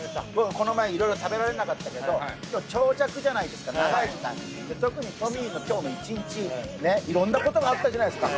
この前色々食べられなかったけど今日長尺じゃないですか長い時間で特にトミーの今日の一日ねっ色んなことがあったじゃないですか